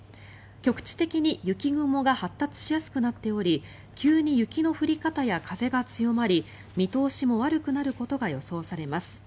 局地的に雪雲が発達しやすくなっており急に雪の降り方や風が強まり見通しも悪くなることが予想されます。